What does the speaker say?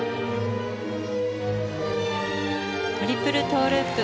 トリプルトウループ